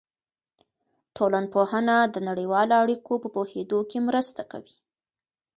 ټولنپوهنه د نړیوالو اړیکو په پوهېدو کې مرسته کوي.